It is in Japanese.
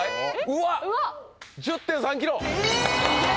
うわっ１０．３ｋｇ！え！